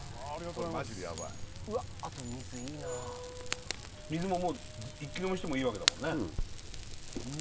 これマジでヤバいわっあと水いいなあ水ももう一気飲みしてもいいわけだもんね